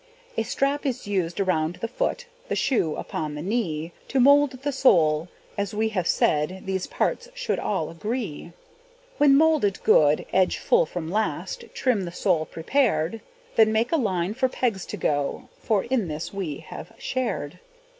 A strap is used around the foot, The shoe upon the knee; To mould the sole, as we have said, These parts should all agree. When moulded good, edge full from last, Trim the sole prepared; Then make a line for pegs to go, For in this we have shared.